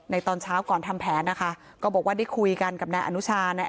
ตอนเช้าก่อนทำแผนนะคะก็บอกว่าได้คุยกันกับนายอนุชานะ